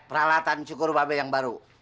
peralatan cukur babe yang baru